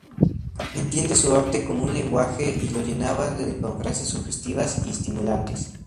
Entiende su arte como un lenguaje y lo llenaba con frases sugestivas y estimulantes.